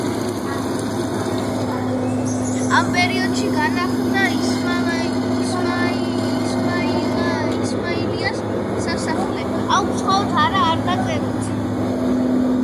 ამ პერიოდში განახლდა ისმაილიას სასახლე, რომელიც დღეისთვის აზერბაიჯანის მეცნიერებათა ეროვნული აკადემიის შენობას წარმოადგენს.